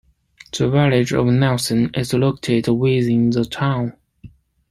The village of Nelson is located within the town.